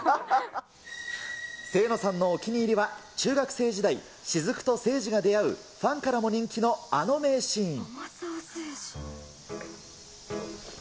清野さんのお気に入りは、中学生時代、雫と聖司が出会うファンからも人気のあの名シーン。